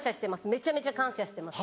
めちゃめちゃ感謝してます。